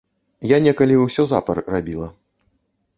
Я некалі ўсё запар рабіла.